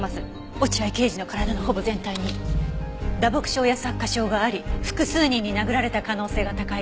落合刑事の体のほぼ全体に打撲傷や擦過傷があり複数人に殴られた可能性が高いです。